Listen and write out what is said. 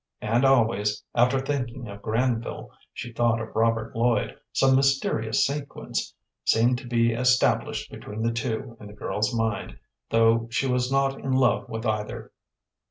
And always, after thinking of Granville, she thought of Robert Lloyd; some mysterious sequence seemed to be established between the two in the girl's mind, though she was not in love with either.